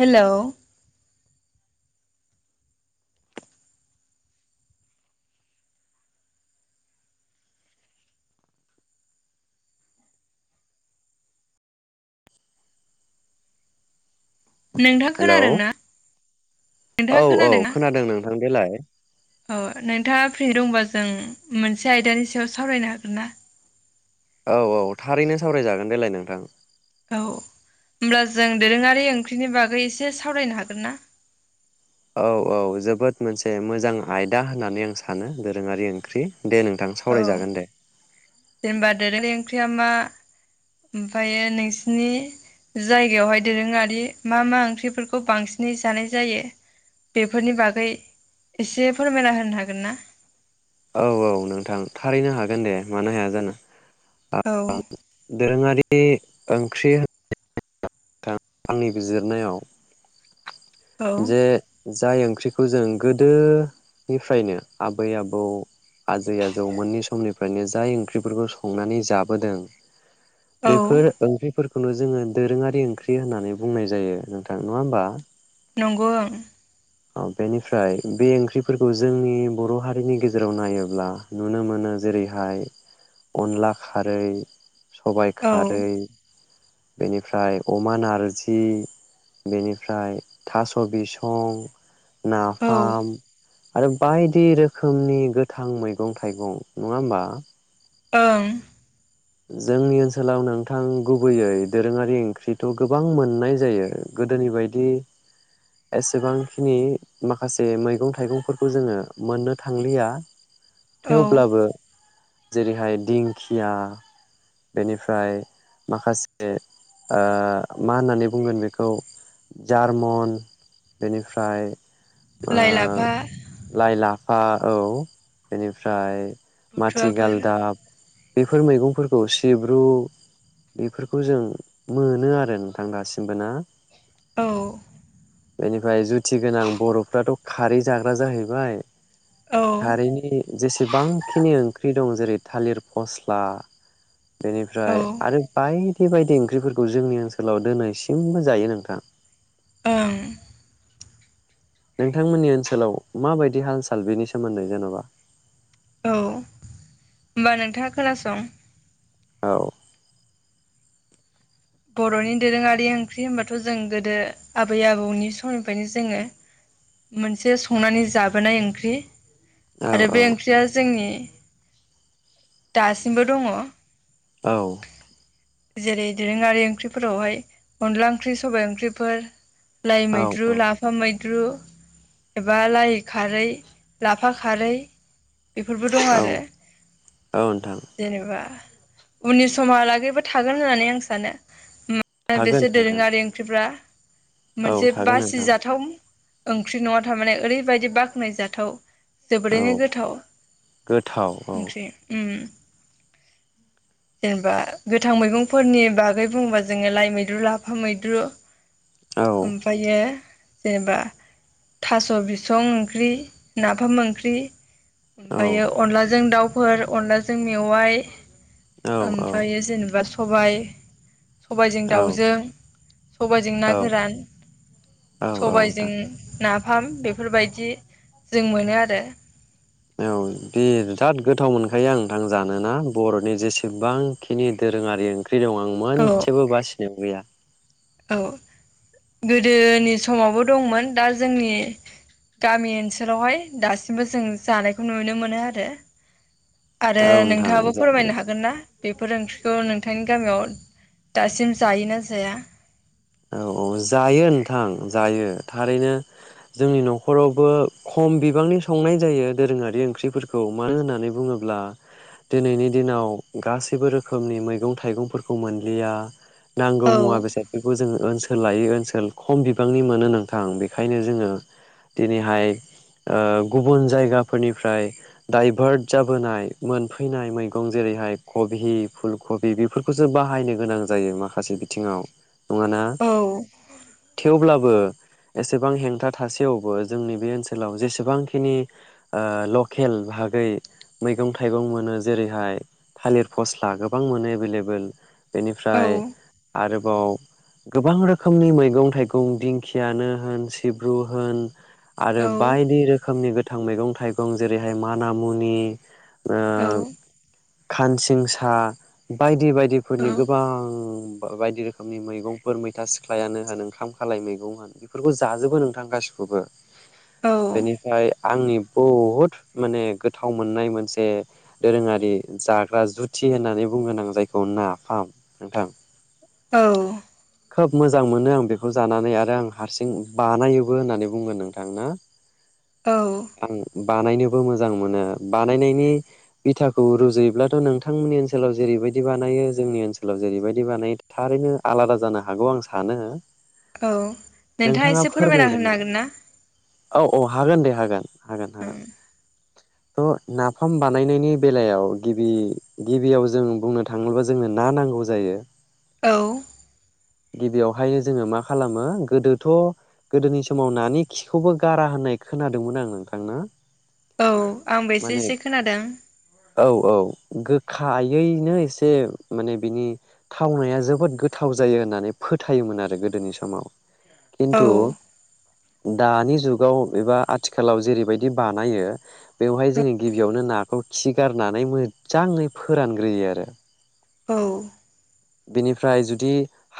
हेल' नोंथाङा हेलौ खोनादों ना नोंथाङा औ औ ना खोनादों नोंथां देलाय औ नोंथाङा फ्रि दंबा जों मोनसे आयदानि सायाव सावरायनो हागोन ना? औ औ थारैनो सावरायजागोन देलाय नोंथां । औ होमब्ला जों दोरोङारि ओंख्रिनि बागै एसे सावरायनो हागोन ना? औ औ जोबोद मोनसे मोजां आयदा होननानै आं सानो दोरोङारि ओंख्रि दे नोंथां औ सावरायजागोन दे। जेनेबा दोरोङारि ओंख्रिया मा ओमफ्रायो नोंसिनि जायगायावहाय दोरोङारि मा मा ओंख्रिफोरखौ बांसिनै जानाय जायो बेफोरनि बागै एसे फोरमायना होनो हागोन ना? औ औ नोंथां थारैनो हागोन दे मानो हाया जानो। औ दोरोङारि बे ओंख्रि आंनि बिजिरनायाव औ जे जाय ओंख्रिखौ जों गोदोनिफ्रायनो आबै आबौ आजै आजौ मोननि समनिफ्रायनो जाय ओंख्रिफोरखौ संनानै जाबोदों। औ बेफोर ओंख्रिफोरखौ खौनो जोङो दोरोङारि ओंख्रि होननानै बुंनाय जायो नोंथां नङा होमबा। नंगौ ओं। औ बेनिफ्राय बे ओंख्रिफोरखौ जोंनि बर' हारिनि गेजेराव नायोब्ला नुनो मोनो जेरैहाय अनला खारै सबाय औ खारै बेनिफ्राय अमा नारजि बेनिफ्राय थास' बिसं नाफाम औ आरो बायदि रोखोमनि गोथां मैगं थाइगं नङा होमबा । ओं। जोंनि ओनसोलाव नोंथां गुबैयै दोरोङारि ओंख्रिथ' गोबां मोननाय जायो गोदोनि बायदि एसेबांखिनि माखासे मैगं थाइगंफोरखौ जोङो मोननो थांलिया । औ थेवब्लाबो। जेरैहाय दिंखिया बेनिफ्राय माखासे मा होननानै बुंगोन बेखौ जारमन बेनिफ्राय आ लाइ लाफा लाइ लाफ औ। औ बेनिफ्राय बुथुवाफोर माथिगालदाब बेफोर मैगंफोरखौ खौ सिब्रु बेफोरखौ जों मोनो आरो नोंथां दासिमबो ना। औ। बेनिफ्राय जुथि गोनां बर'फ्राथ' खारै जाग्रा जाहैबाय औ खारैनि जेसेबांखिनि ओंख्रि दं जेरै थालिर फस्ला ओं औ बेनिफ्राय आरो बायदि बेबायदि ओंख्रिफोरखौ जोंनि ओनसोलाव दिनैसिमबो जायो नोंथां। ओं। नोंथांमोननि ओनसोलाव माबायदि हाल साल बेनि सोमोन्दै जेनबा औ होमबा नोंथाङा खोनासं औ। बरनि दोरोङारि ओंख्रि होनबाथ जों गोदो आबै आबौनि समनिफ्रायनो जोङो मोनसे संनानै जाबोनाय ओंख्रि औ आरो बे ओंख्रिया जोंनि दासिमबो दङ। औ। जेरै दोरोङारि ओंख्रिफोरावहाय अनला ओंख्रि सबाय ओंख्रिफोर लाइ औ मैद्रु, औ लाफा मैद्रु एबा लाइ खारै लाफा खारै बेफोरबो दं औ आरो। नोंथां जेनेबा उननि समहालागैबो थागोन होननानै आं सानो। ओम थागोन बेसोर थागोन दोरोङारि ओंख्रिफ्रा। औ मोनसे थागोन नोंथां बासिजाथाव ओंख्रि नङा थारमाने ओरैबायदि बाख्नाय जाथाव औ जोबोरैनो गोथाव गोथाव औ ओंख्रि ओम। जेनेबा गोथां मैगंफोरनि बागै बुङोबा जोङो लाइ मैद्रु, लाफा मैद्रु औ ओमफ्रायो जेनेबा थास बिसं ओंख्रि, नाफाम ओंख्रि, औ ओमफ्रायो अनलाजों दाउ फोर अनलाजों मेवआइ औ ओमफ्रायो जेनेबा स बाय सबायजों औ दाउजों, सबायाइजों ना औ गोरान, औ नोंथां सबायजों ना फाम बेफोरबायदि जों मोनो आरो। औ बि बिराद गोथाव मोनखायो आं नोंथां जानोना बरनि जेसेबांखिनि दोरोङारि ओंख्रि दं आं औ मोनसेबो बासिनायाव गैया। औ गोदोनि समावबो दंमोन दा जोंनि गामि ओनसोलावहाय दासिमबो जों जानायखौ नुनो मोनो आरो। आरो औ नोंथां नोंथाङाबो फोरमायनो हागोन ना? बेफोर ओंख्रिखौ नोंथांनि गामियाव दासिम जायोना जाया। औ-औ जायो नोंथां जायो थारैनो जोंनि नखरावबो खम बिबांनि संनाय जायो दोरोङारि ओंख्रिफोरखौ मानो होननानै बुङोब्ला दिनैनि दिनाव गासैबो रोखोमनि मैगं थाइगंफोरखौ मोनलिया। नांगौ औ मुवा बेसाद फोरखौ। ओनसोल लायै ओनसोल खम बिबांनि मोनो नोंथां बेखायनो जोङो दिनैहाय ओ गुबुन जायगाफोरनिफ्राय दाइभार्ट जाबोनाय मोनफैनाय मैगं जेरैहाय कबि फुल कबि बेफोरखौसो बाहायनो गोनां जायो माखासे बिथिङाव। नङाना औ थेवब्लाबो एसेबां हेंथा थासेयावबो जोंनि बे ओनसोलाव जेसेबांखिनि लकेल बागै मैगं थाइगं मोनो जेरैहाय थालिर फस्ला गोबां मोनो एभेलेबेल औ बेनिफ्राय आरोबाव। गोबां रोखोमनि मैगं थाइगं दिंखियानो होन सिब्रु होन। आरो औ बायदि रोखोमनि गोथ गोथां मैगं थाइगं जेरैहाय माना मुनि। औ खानसिं सा बायदि औ बायदिफोरनि गोबां बायदि रोखोमनि मैग मैगंफोर मैथा सिख्लायानो होन ओंखाम खालाय मैगं होन बेफोरखौ जाजोबो नोंथां गासिखौबो। बेनिफ्राय आंनि बहुद माने गोथाव मोननाय मोनसे दोरोङारि जाग्रा जुथि होननानै बुंगोन आं जायखौ नाफाम नोंथां। औ खोब मोजां मोनो आं बेखौ जानानै आरो आं हारसिं बानायोबो होननानै बुंगोन नोंथांनो। औ बानायनोबो मोजां मोनो बानायनायनि बिथाखौ रुजुयोब्लाथ' नोंथांमोननि ओनसोलाव जेरैबायदि बानायो जोंनि ओनसोलाव जेरैबायदि बानायो थारैनो आलादा जानो हागौ आं सानो। औ नोंथाङा एसे फोरमायना होनो हागोन ना? औ-औ हागोन दे हागोन। हागोन-हागोन थ नाफाम बानायनायनि बेलायाव गिबि गिबियाव जों बुंनो थाङोबोब्ला जोंनो ना नांगौ जायो। औ गिबियावहायनो जोङो मा खालामो गोदोथ' गोदोनि समाव नानि खिखौबो गारा होननाय खोनादोंमोन आङो। थांनो औ आंबो एसे एसे खोनादों। औ औ गोखायैनो एसे माने बिनि थावनाया जोबोद गोथाव जायो होननानै फोथायोमोन आरो गोदोनि समाव खिन्थु औ दानि जुगाव एबा आथिखालाव। जेरैबायदि बानायो बेवहाय जोङो गिबियावनो नाखौ खिगारनानै मोजाङै फोरानग्रोयो आरो। औ बेनिफ्राय जुदि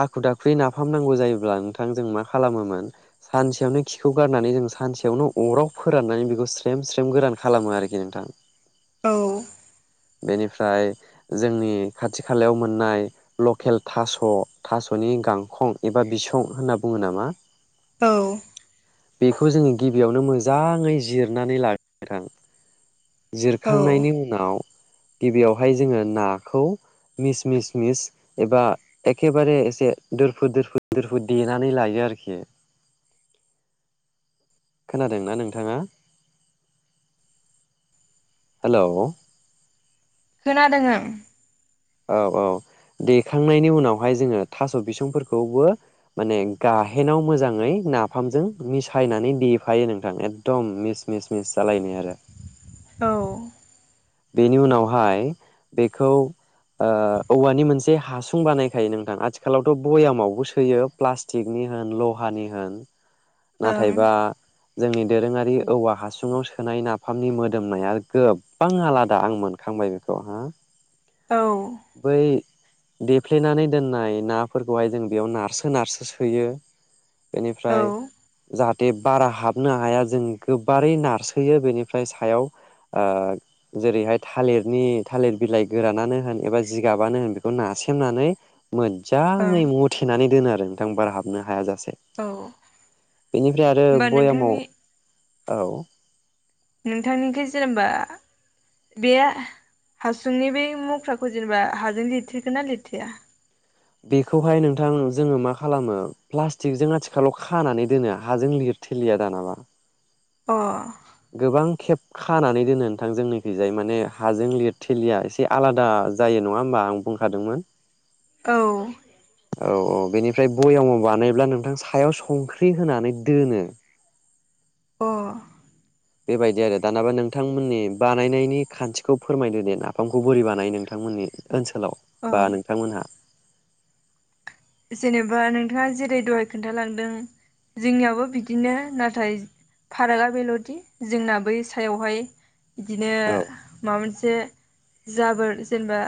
हाखु दाखुै नाफाम नांगौ जायोब्ला नोंथां जों मा खालामोमोन सानसेयावनो खिखौ गारनानै जों सानसेयावनो अराव फोराननानै बेखौ स्रेम स्रेम गोरान खालामो आरोखि नोंथां। औ बेनिफ्राय जोंनि खाथि खालायाव मोननाय लकेल थास' थास'नि गांखं एबा बिसं होनना बुङो नामा? औ बेखौ जोङो गिबियावनो मोजाङै जिरनानै ला नोंथां। औ जिरखांनायनि उनाव गिबियावहाय जोङो नाखौ मिस मिस मिस एबा एखेबारे एसे दोरफु दोरफु दोरफु देनानै लायो आरोखि। खोनादोंना नोंथाङा हेलौ? खोनादों ओं औ औ देखांनायनि उनावहाय जोङो थास' बिसंफोरखौबो माने गाहेनाव मोजाङै नाफामजों मिसायनानै देफायो नोंथां एकदम मिस मिस मिस जालायनाय आरो। औ बेनि उनावहाय बेखौ ओ औवानि मोनसे हासुं बानायखायो नोंथां आथिखालावथ' भयामावबो सोयो प्लास्टिकनि होन लहानि होन। औ ओं नाथायबा जोंनि दोरोङारि औवा हासुङाव सोनाय नाफामनि मोदोमनाया गोब गोबां आलादा आं मोनखांबाय बेखौ हा औ बै देफ्लेनानै दोननाय नाफोरखौहाय जों बेयाव नारसो नारसो सोयो । औ बेनिफ्राय ओं जात बे बारा हाबनो हाया जों गोबारै नारसोयो बेनिफ्राय सायाव ओ जेरैहाय थालिरनि थालिर बिलाइ गोरानानो होन एबा जिगाबानो होन बेखौ नारसेबनानै मोदजांङै औ मथेनानै दोनो आरो । नोंथां बार हाबनो हाया जा से होमबा बेनिफ्राय आरो बयामाव नोंथांनि औ ‌नोंथां‌निखि जे जेनेबा बे हासुंनि बे मख्राखौ जेनेबा हाजों लिरथेरगोन ना लिरथेया? बेखौहाय नोंथां जोंङो मा खालामो प्लास्टिकजों आथिखालाव खानानै दोनो हाजों लिरथेलिया दानाबा । अ गोबां खेब खानानै दोनो नोंथां जोंनिखैजाय माने हाजों लिर थेलिया एसे आलादा जायो नङा होमबा आं बुंखादोंमोन । औ औ औ बेनिफ्राय बयामाव बानायोब्ला नोंथां सायाव संख्रि होनानै दोनो । अ बेबायदि आरो दानाबा नोंथांमोननि बानायनायनि खान्थिखौ फोरमायदो दे नाफामखौ बोरि बानायो नोंथांमोननि ओनसोलाव औ बा नोंथांमोनहा? जेनेबा नोंथांङा जेरै दहाय खोन्थालांदों जोंनियाबो बिदिनो नाथाय फारागा बेल'दि जोंना बै सायावहाय बिदिनो औ माबा मोनसे जाबोर जेनेबा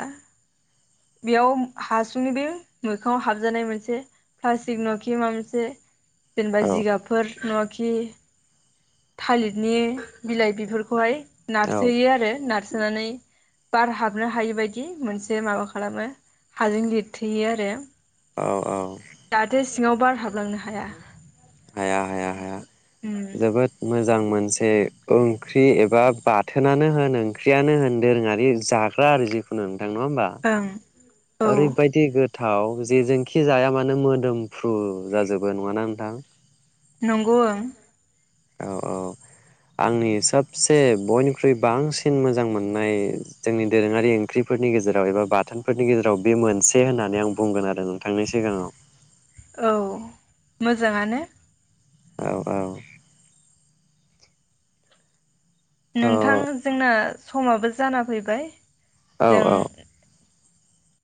बेयाव हासुंनि बे मोखांङाव हाग जानाय मोनसे फ्लास्तिक नवाखि माबा मोनसे जेनेबा औ जिगाबफोर नङा बाखि थालिरनि बिलाइ बिफोरखौहाय औ नारसयो आरो नारस सोनानै बार हाबनो हायि बायदि मोनसे माबा खालामो हाजों लिरथोयो आरो । औ औ दा थोस सिङाव बार हाबलांनो हाया हाया हाया उम हाया जोबोद मोज जां मोनसे ओंख्रि एबा बाथोनानो होन ओंख्रियानो होन दोरोंङारि जाग्रा आरो जिखुनु नङा होमबा? ओं औ ओरैबायदि गोथ थाव जेजोंखि जाया मानो मोदोमफ्रु जाजोबो नङाना नोंथां? नंगौ ओं औ औ आंनि सबसे बयनिख्रुइ बांसिन मोजां मोननाय जोंनि दोरोङारि ओंख्रिफोरनि गेजेराव एबा बाथोनफोरनि गेजेराव बे मोनसे होननानै आं बुंगोन आरो नोंथांनि सिगांङाव । औ मोजांङानो । औ औ नोंथां थ' जोंना समाबो जाना फैबाय औ जों औ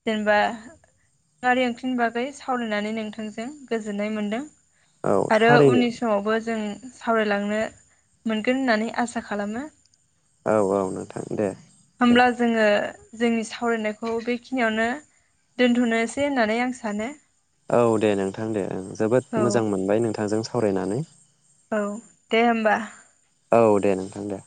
जेनबा खारि ओंख्रिनि बागै सावरायनानै नोंथांजों गोजोननाय मोनदों। औ आरो थारैनो उननि समावबो जों सावरायलांनो मोनगोन होननानै आसा खालामो। औ औ नोंथां दे दे होमब्ला जोङो जोंनि सावरायनायखौ बेखि नियावनो दोनथ'नोसै होननानै आं सानो। औ दे नोंथां दे ओं जोबोद औ मोजां मोनबाय नोंथांजों सावरायनानै औ दे होमबा औ दे नोंथां दे